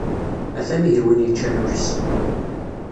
Ha-t-an ihi win yeččan ul-is!